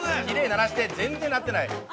きれいに鳴らして、全然鳴ってない。